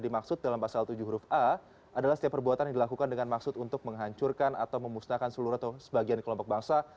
dimaksud dalam pasal tujuh huruf a adalah setiap perbuatan yang dilakukan dengan maksud untuk menghancurkan atau memusnahkan seluruh atau sebagian kelompok bangsa